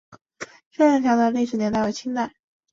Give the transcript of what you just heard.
仙人桥的历史年代为清代。